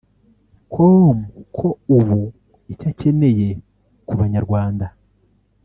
com ko ubu icyo akeneye ku banyarwanda